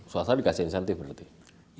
swasta dikasih insentif berarti